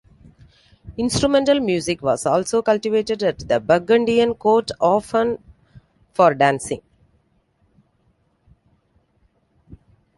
Instrumental music was also cultivated at the Burgundian courts, often for dancing.